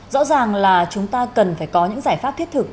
rõ ràng là chúng ta cần phải có những giải pháp thiết thực